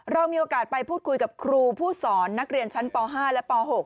เรามีโอกาสไปพูดคุยกับครูผู้สอนนักเรียนชั้นป๕และป๖